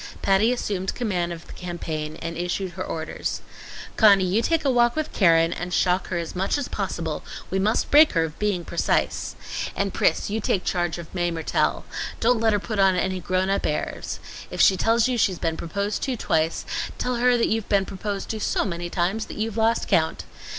Patty assumed command of the campaign and issued her orders. "Conny, you take a walk with Keren and shock her as much as possible; we must break her of being precise. And Pris, you take charge of Mae Mertelle. Don't let her put on any grown up airs. If she tells you she's been proposed to twice, tell her you've been proposed to so many times that you've lost count.